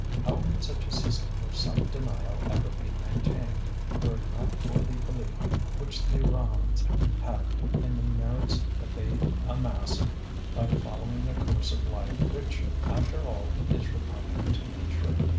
How could such a system of self denial ever be maintained, were it not for the belief which the Rahans have in the merits that they amass by following a course of life which, after all, is repugnant to Nature?